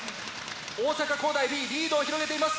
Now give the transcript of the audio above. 大阪公大Ｂリードを広げています。